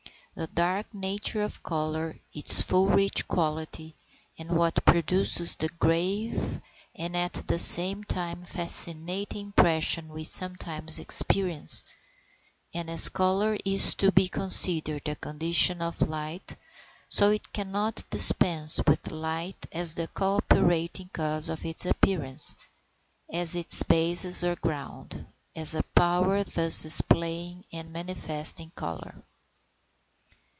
The dark nature of colour, its full rich quality, is what produces the grave, and at the same time fascinating impression we sometimes experience, and as colour is to be considered a condition of light, so it cannot dispense with light as the co operating cause of its appearance, as its basis or ground; as a power thus displaying and manifesting colour.